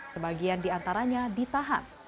sebagian di antaranya ditahan